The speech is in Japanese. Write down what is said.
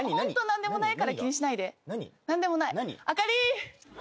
何でもない。